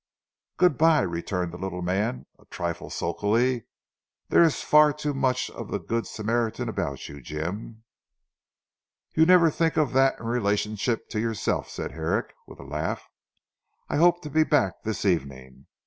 "Good bye," returned the little man a trifle sulkily, "there is far too much of the good Samaritan about you Jim." "You never think of that in relation to yourself," said Herrick with a laugh. "I hope to be back this evening.